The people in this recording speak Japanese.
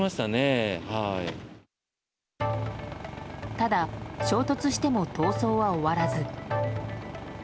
ただ、衝突しても逃走は終わらず。